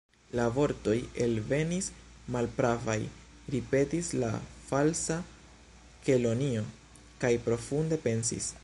"La vortoj elvenis malpravaj," ripetis la Falsa Kelonio, kaj profunde pensis.